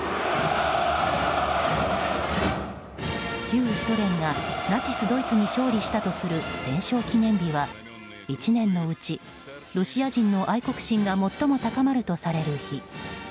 旧ソ連が、ナチスドイツに勝利したとする戦勝記念日は１年のうち、ロシア人の愛国心が最も高まるとされる日。